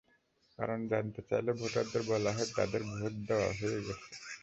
কারণ জানতে চাইলে ভোটারদের বলা হয়, তাঁদের ভোট দেওয়া হয়ে গেছে।